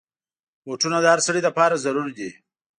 بوټونه د هر سړي لپاره ضرور دي.